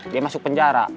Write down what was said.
dia masuk penjara